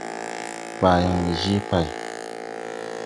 Baayaŋ de jee pày.